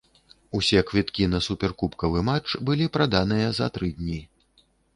Усе квіткі на суперкубкавы матч былі праданыя за тры дні.